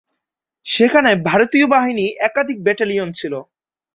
সেখানে ভারতীয় বাহিনীর একাধিক ব্যাটালিয়ন ছিল।